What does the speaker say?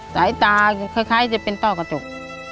สายตาคล้ายจะเป็นต้อกระจก